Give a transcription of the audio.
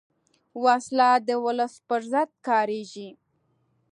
وسله د ولس پر ضد کارېږي